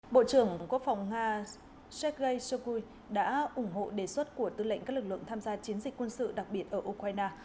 bộ trưởng quốc phòng nga sergei shogui đã ủng hộ đề xuất của tư lệnh các lực lượng tham gia chiến dịch quân sự đặc biệt ở ukraine